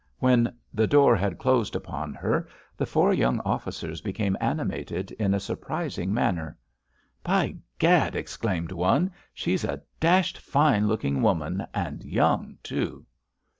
When the door had closed upon her the four young officers became animated in a surprising manner. "By gad!" exclaimed one, "she's a dashed fine looking woman, and young, too."